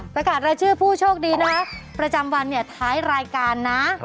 ประกาศรายชื่อผู้โชคดีนะประจำวันเนี่ยท้ายรายการนะ